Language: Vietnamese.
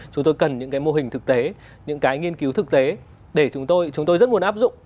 chúng tôi cần những cái mô hình thực tế những cái nghiên cứu thực tế để chúng tôi chúng tôi rất muốn áp dụng